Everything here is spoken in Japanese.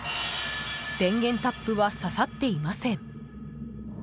電源タップは挿さっていません。